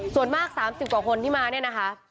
ส่วนมาก๓๐กว่าคนที่มาเนี่ยนะคะ